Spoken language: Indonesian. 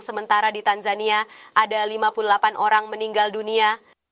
sementara di tanzania ada lima puluh delapan orang meninggal dunia